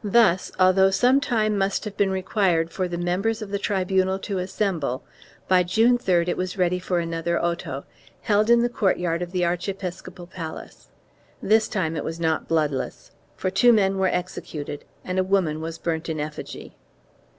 1 Thus, although some time must have been required for the members of the tribunal to assemble, by June 3d it was ready for another auto, held in the courtyard of the archiepiscopal palace. This time it was not bloodless, for two men were executed and a woman was burnt in effigy.